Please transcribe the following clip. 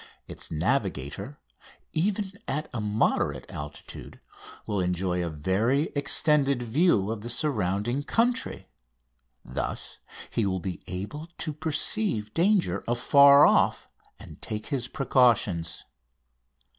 Its navigator, even at a moderate altitude, will enjoy a very extended view of the surrounding country. Thus he will be able to perceive danger afar off, and take his precautions.